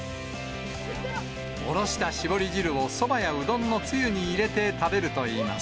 下ろしたしぼり汁をそばやうどんのつゆに入れて食べるといいます。